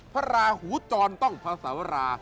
พระราหูจรต้องภาษาวรา